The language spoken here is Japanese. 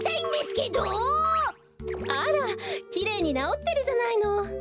あらきれいになおってるじゃないの。